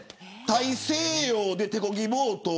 大西洋で手こぎボート